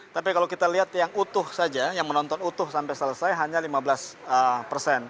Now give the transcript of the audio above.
tapi kalau kita lihat yang utuh saja yang menonton utuh sampai selesai hanya lima belas persen